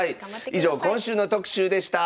以上今週の特集でした。